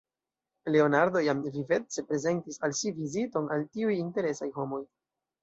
Leonardo jam vivece prezentis al si viziton al tiuj interesaj homoj.